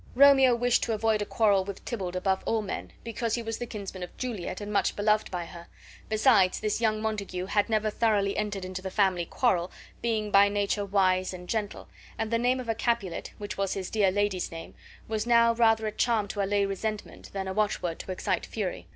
Romeo wished to avoid a quarrel with Tybalt above all men, because he was the kinsman of Juliet and much beloved by her; besides, this young Montague had never thoroughly entered into the family quarrel, being by nature wise and gentle, and the name of a Capulet, which was his dear lady's name, was now rather a charm to allay resentment than a watchword to excite fury.